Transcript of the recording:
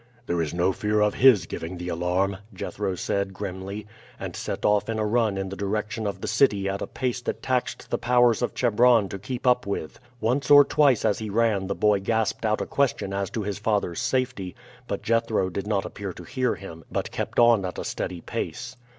"There is no fear of his giving the alarm," Jethro said grimly, and set off in a run in the direction of the city at a pace that taxed the powers of Chebron to keep up with. Once or twice as he ran the boy gasped out a question as to his father's safety, but Jethro did not appear to hear him, but kept on at a steady pace.